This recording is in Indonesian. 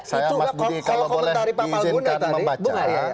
saya mas gudi kalau boleh diizinkan membaca